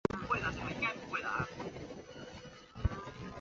一般认为大多数土着部落群体的祖先从西藏迁移到此。